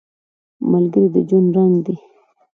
ملګری د ژوند رنګ دی